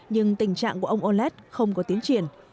nhưng tình trạng của ông olet không có tiến triển